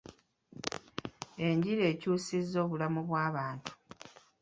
Enjiri ekyusizza obulamu bw'abantu.